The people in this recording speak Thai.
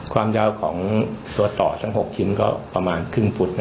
ความยาวของตัวต่อทั้ง๖ชิ้นก็ประมาณครึ่งฟุต